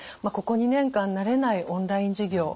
ここ２年間慣れないオンライン授業